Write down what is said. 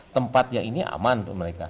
tempat yang ini aman untuk mereka